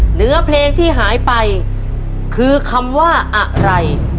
เหนือเพลงที่หายไปคือคำว่าอะไร